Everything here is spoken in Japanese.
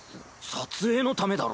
撮影のためだろ。